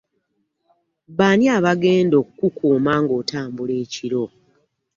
Baani abagenda okukukuuma nga otambula ekiro?